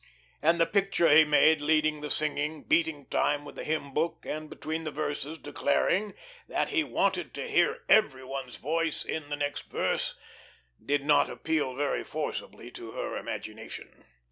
And the picture he made leading the singing, beating time with the hymn book, and between the verses declaring that "he wanted to hear everyone's voice in the next verse," did not appeal very forcibly to her imagination.